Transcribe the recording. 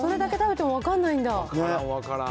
それだけ食べても分かんないんだ。